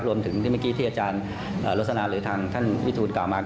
รวมถึงที่เมื่อนี้ที่อาจารย์ลักษณะหรือทางวิทูตกลับมา